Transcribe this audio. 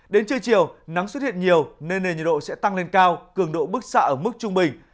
đến trưa chiều nắng xuất hiện nhiều nên nền nhiệt độ sẽ tăng lên cao cường độ bức xạ ở mức trung bình